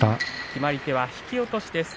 決まり手は引き落としです。